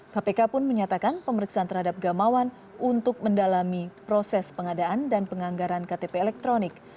kpk pun menyatakan pemeriksaan terhadap gamawan untuk mendalami proses pengadaan dan penganggaran ktp elektronik